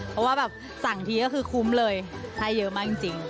เพราะว่าแบบสั่งทีก็คือคุ้มเลยให้เยอะมากจริง